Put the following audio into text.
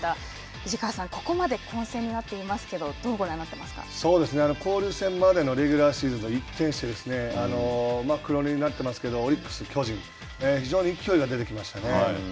藤川さん、ここまで混戦になっていますけど、どうご覧になってい交流戦までのレギュラーシーズンと一転して、黒になっていますけどオリックス、巨人、非常に勢いが出てきましたね。